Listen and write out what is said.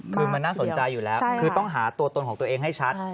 คือมันน่าสนใจอยู่แล้วคือต้องหาตัวตนของตัวเองให้ชัด